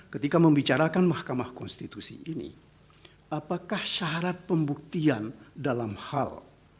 ketika membicarakan mahkamah konstitusi ini apakah syarat pembuktian dalam hal